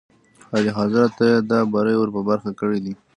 اعلیحضرت ته یې دا بری ور په برخه کړی دی.